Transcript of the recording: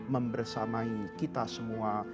membersamai kita semua